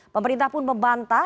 pemerintah pun membanta